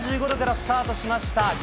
４５度からスタートしました。